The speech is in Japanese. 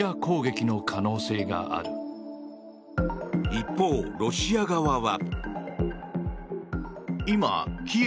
一方、ロシア側は。